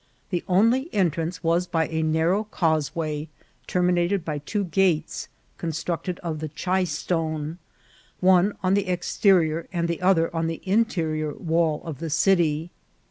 The only entrance was by a narrow causeway terminated by two gates, constructed of the chay stone, one on the exterior and the other on the interior wall of the city.